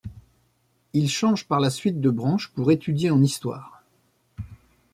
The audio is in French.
Il change par la suite de branche pour étudier en histoire.